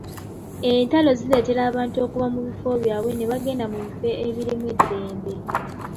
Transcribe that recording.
Entalo zireetera abantu okuva mu bifo byabwe ne bagenda mu bifo ebirimu eddembe.